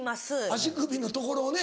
足首の所をね。